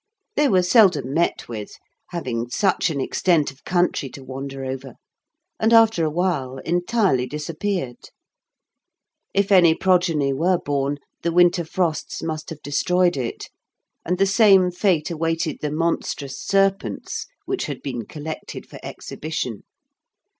They were seldom met with, having such an extent of country to wander over, and after a while entirely disappeared. If any progeny were born, the winter frosts must have destroyed it, and the same fate awaited the monstrous serpents which had been collected for exhibition.